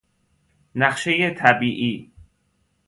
نقشه طبیعی